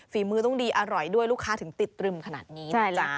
ฝีมือต้องดีอร่อยด้วยลูกค้าถึงติดตรึมขนาดนี้นะจ๊ะ